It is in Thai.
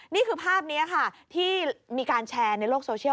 นี่คือภาพนี้ค่ะที่มีการแชร์ในโลกโซเชียล